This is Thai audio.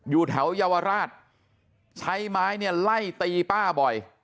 อยู่แถวเยาวราชใช้ไม้เนี่ยไล่ตีป้าบ่อย